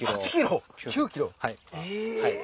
９ｋｇ？え！